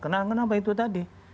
kenapa itu tadi